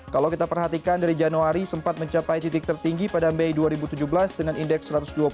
kalau kita perhatikan dari januari sempat mencapai titik tertinggi pada mei dua ribu tujuh belas dengan indeks satu ratus dua puluh tujuh